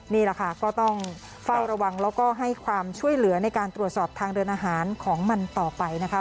นี่แหละค่ะก็ต้องเฝ้าระวังแล้วก็ให้ความช่วยเหลือในการตรวจสอบทางเดินอาหารของมันต่อไปนะคะ